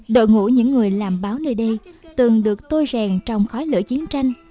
đội ngũ những người làm báo nơi đây từng được tôi rèn trong khói lửa chiến tranh